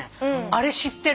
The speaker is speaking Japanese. あれ知ってる？